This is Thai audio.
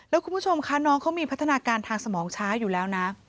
แล้วคุณผู้ชมคะน้องเขามีพัฒนาการทางสมองช้าอยู่แล้วนะ